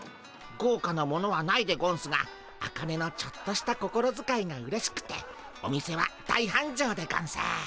ごうかなものはないでゴンスがアカネのちょっとした心づかいがうれしくてお店は大はんじょうでゴンス。